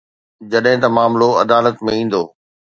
جڏهن ته معاملو عدالت ۾ ايندو.